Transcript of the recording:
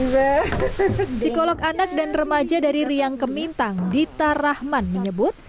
psikolog anak dan remaja dari riang kemintang dita rahman menyebut